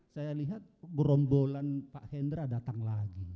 saya lihat gerombolan pak hendra datang lagi